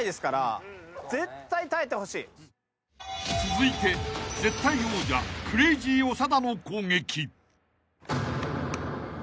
［続いて絶対王者クレイジー長田の攻撃］